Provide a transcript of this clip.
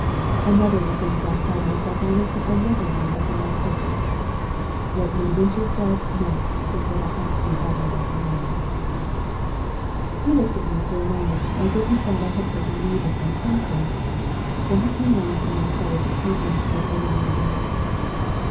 Another of the things I pride myself on is that I never wander from my subject. What Midwinter said next is what I ought to be writing about now."] "He looked at me for a moment, as if he thought I had taken leave of my senses. Then he came round to my side of the table and stood over me again.